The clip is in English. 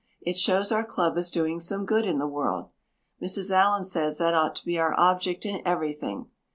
It shows our club is doing some good in the world. Mrs. Allan says that ought to be our object in everything.